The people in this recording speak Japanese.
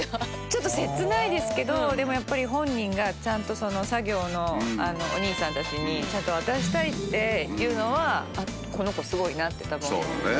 ちょっと切ないですけどでもやっぱり本人がちゃんと作業のお兄さんたちに渡したいっていうのはこの子すごいなって多分思いますよね。